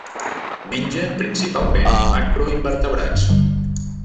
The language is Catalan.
Menja principalment macroinvertebrats.